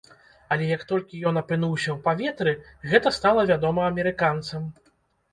Але як толькі ён апынуўся ў паветры, гэта стала вядома амерыканцам.